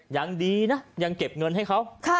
ยังดีนะยังเก็บเงินให้เขา